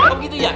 oh gitu ya